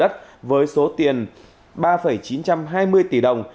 ba chín trăm hai mươi tỷ đồng